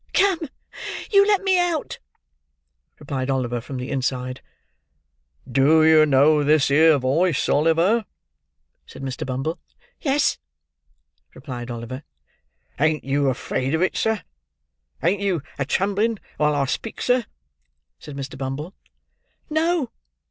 "Come; you let me out!" replied Oliver, from the inside. "Do you know this here voice, Oliver?" said Mr. Bumble. "Yes," replied Oliver. "Ain't you afraid of it, sir? Ain't you a trembling while I speak, sir?" said Mr. Bumble. "No!"